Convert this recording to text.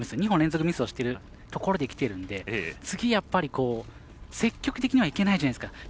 ２本連続ミスしているところにきているので次、積極的にはいけないじゃないですか。